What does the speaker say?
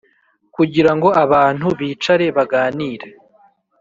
kugira ngo abantu bicare baganire